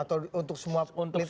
atau untuk semua lintas praksi